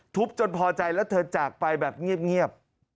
จนพอใจแล้วเธอจากไปแบบเงียบ